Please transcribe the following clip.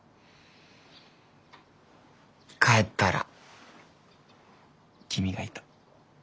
帰ったら君がいた。